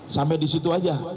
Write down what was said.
sampai di situ saja